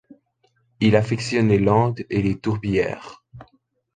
Il affectionne les landes et les tourbières.